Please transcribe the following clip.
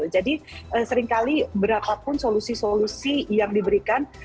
jadi seringkali berapapun solusi solusi yang diberikan